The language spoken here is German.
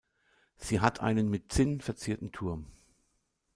Sie hat einen mit Zinn verzierten Turm.